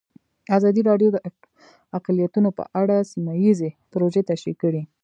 ازادي راډیو د اقلیتونه په اړه سیمه ییزې پروژې تشریح کړې.